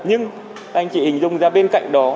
nhưng anh chị hình dung ra bên cạnh đó